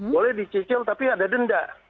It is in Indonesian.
boleh dicicil tapi ada denda